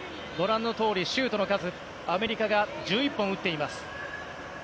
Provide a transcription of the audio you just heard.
シュートの数アメリカが１１本打っています。